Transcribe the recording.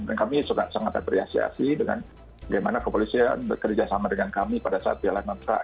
dan kami sudah sangat beriasiasi dengan bagaimana kepolisian bekerja sama dengan kami pada saat jalan jidul fitri